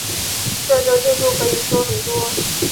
这周进度可以说很多